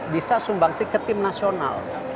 bisa sumbangsi ke tim nasional